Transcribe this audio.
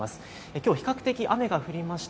きょうは比較的、雨が降りました